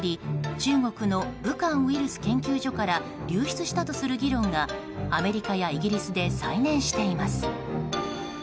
中国の武漢ウイルス研究所から流出したとする議論がアメリカやイギリスで再燃しています。